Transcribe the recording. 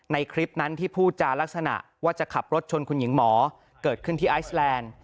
คลิปนั้นที่พูดจารักษณะว่าจะขับรถชนคุณหญิงหมอเกิดขึ้นที่ไอซแลนด์